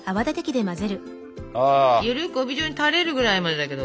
ゆるく帯状にたれるくらいまでだけど。